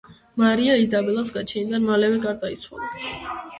მარია იზაბელას გაჩენიდან მალევე გარდაიცვალა.